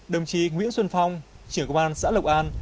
đồng chí nguyễn xuân phong trưởng công an xã lộc an